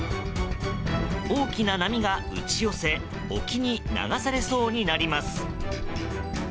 大きな波が打ち寄せ沖に流されそうになります。